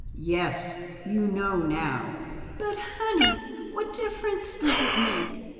"Yes. You know now." "But, Honey, what difference does it make?